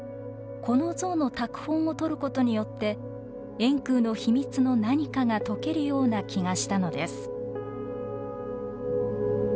この像の拓本を取ることによって円空の秘密の何かが解けるような気がしたのです。